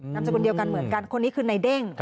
นามสกุลเดียวกันเหมือนกันคนนี้คือนายเด้ง